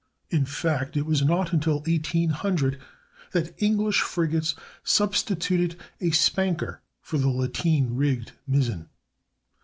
In fact, it was not until 1800 that English frigates substituted a spanker for the lateen rigged mizzen.